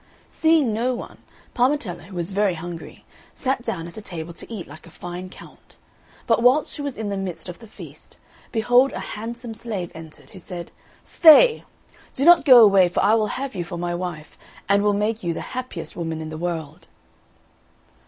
Seeing no one, Parmetella, who was very hungry, sat down at a table to eat like a fine count; but whilst she was in the midst of the feast, behold a handsome Slave entered, who said, "Stay! do not go away, for I will have you for my wife, and will make you the happiest woman in the world."